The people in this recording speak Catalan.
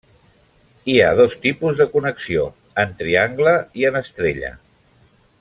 Hi ha dos tipus de connexió, en triangle i en estrella.